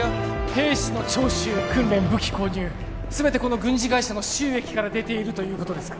兵士の徴集訓練武器購入全てこの軍事会社の収益から出ているということですか？